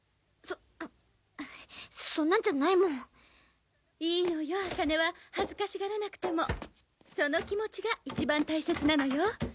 そっんそんなんじゃないもんいいのよあかねは恥ずかしがらなくてもその気持ちが一番大切なのよ